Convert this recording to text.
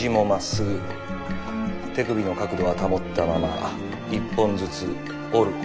手首の角度は保ったまま一本ずつ折る。